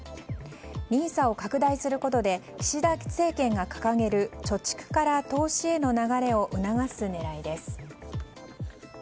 ＮＩＳＡを拡大することで岸田政権が掲げる貯蓄から投資への流れを促す狙いです。